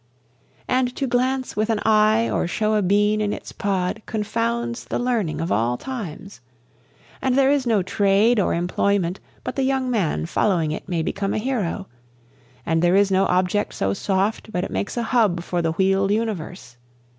And to glance with an eye or show a bean in its pod confounds the learning of all times, And there is no trade or employment but the young man following it may become a hero, And there is no object so soft but it makes a hub for the wheel'd universe.